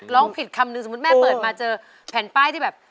ร้องผิดคำนึงสมมุติแม่เปิดมาเจอแผ่นป้ายที่แบบ